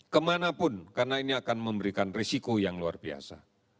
kemanapun karena ini akan memberikan resiko yang luar biasa